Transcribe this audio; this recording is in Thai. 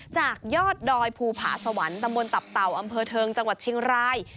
จากยอดดอยภูผาสวรรค์ตำบลตับเต่าอำเภอเทิงจังหวัดเชียงราย